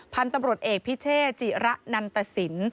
พันธุ์ตำรวจเอกพิเชษจิระนันตสิน